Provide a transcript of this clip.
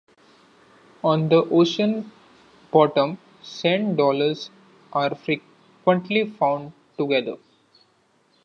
On the ocean bottom, sand dollars are frequently found together.